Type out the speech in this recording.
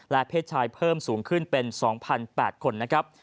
เพศชายเพิ่มสูงขึ้นเป็น๒๘๐๐คนนะครับ